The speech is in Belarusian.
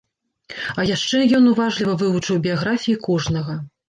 А яшчэ ён уважліва вывучыў біяграфіі кожнага.